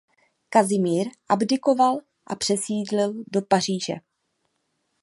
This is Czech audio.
Kazimír abdikoval a přesídlil do Paříže.